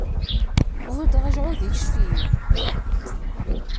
Buddeɣ ajɛuḍ, ikcef-iyi.